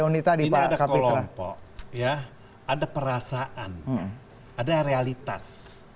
ini ada kelompok ada perasaan ada realitas